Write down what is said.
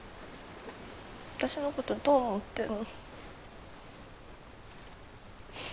私のことどう思ってるの？